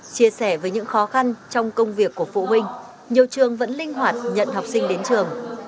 chia sẻ với những khó khăn trong công việc của phụ huynh nhiều trường vẫn linh hoạt nhận học sinh đến trường